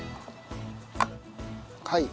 はい。